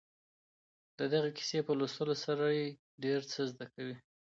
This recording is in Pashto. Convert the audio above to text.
د دغې کیسې په لوستلو سره سړی ډېر څه زده کوي.